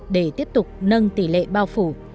để tiếp tục nâng tỷ lệ bao phủ